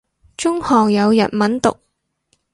中學有日文讀